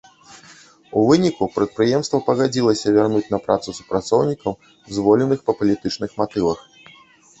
У выніку, прадпрыемства пагадзілася вярнуць на працу супрацоўнікаў, звольненых па палітычных матывах.